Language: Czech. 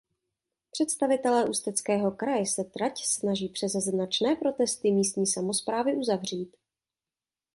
Představitelé Ústeckého kraje se trať snaží přes značné protesty místní samosprávy uzavřít.